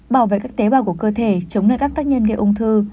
bảo vệ các tế bào của cơ thể chống nơi các tác nhân gây ung thư